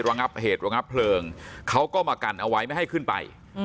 ระงับเหตุระงับเพลิงเขาก็มากันเอาไว้ไม่ให้ขึ้นไป